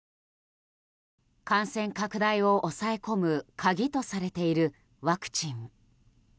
感染拡大を抑え込む鍵とされているワクチン。